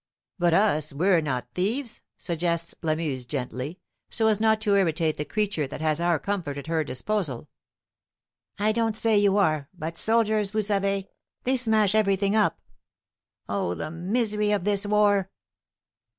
"But us, we're not thieves," suggests Lamuse gently, so as not to irritate the creature that has our comfort at her disposal. "I don't say you are, but soldiers, vous savez, they smash everything up. Oh, the misery of this war!"